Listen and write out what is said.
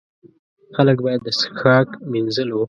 خلک باید د څښاک، مینځلو.